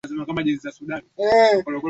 Uso wa kawaida electropolished kwa ufanisi